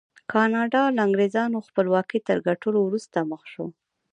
ګانا له انګرېزانو خپلواکۍ تر ګټلو وروسته مخ شو.